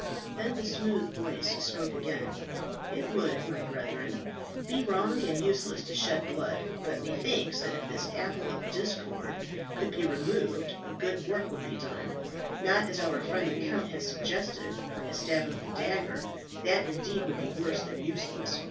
Then the smooth voice spoke again. "It would, my brethren, be wrong and useless to shed blood; but methinks, that if this apple of discord could be removed, a good work would be done; not, as our friend the count has suggested, by a stab of the dagger; that indeed would be worse than useless.